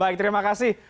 baik terima kasih